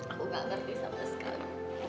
aku gak ngerti sama sekali